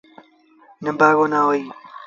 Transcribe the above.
نڀآڳو نا هوئي۔